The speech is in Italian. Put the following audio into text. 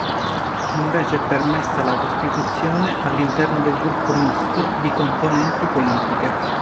Invece è permessa la costituzione, all'interno del gruppo misto, di "componenti politiche".